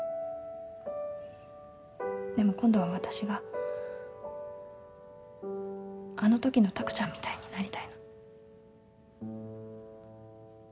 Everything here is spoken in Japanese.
でも今度はわたしがあのときの拓ちゃんみたいになりたいの。